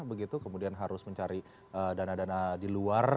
begitu kemudian harus mencari dana dana di luar